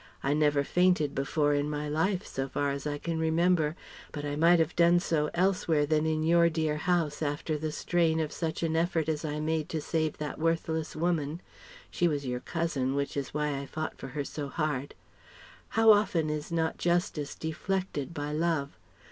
I never fainted before in my life so far as I can remember but I might have done so elsewhere than in your dear house, after the strain of such an effort as I made to save that worthless woman she was your cousin, which is why I fought for her so hard How often is not justice deflected by Love!